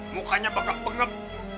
mukanya bakal pengep